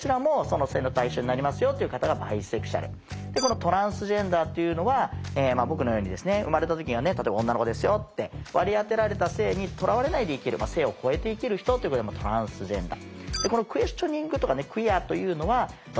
トランスジェンダーというのは僕のようにですね生まれた時には例えば女の子ですよって割り当てられた性にとらわれないで生きる性を超えて生きる人ということでトランスジェンダー。